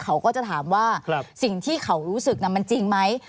เขาก็จะถามว่าสิ่งที่เขารู้สึกมันจริงไหม